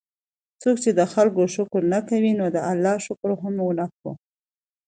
څوک چې د خلکو شکر نه کوي، نو ده د الله شکر هم ونکړو